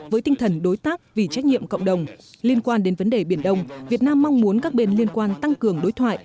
với tinh thần đối tác vì trách nhiệm cộng đồng liên quan đến vấn đề biển đông việt nam mong muốn các bên liên quan tăng cường đối thoại